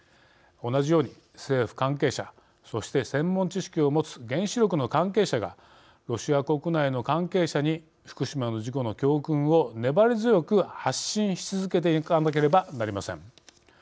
同じように政府関係者そして専門知識を持つ原子力の関係者がロシア国内の関係者に福島の事故の教訓を粘り強く発信し続けていかなければなりません。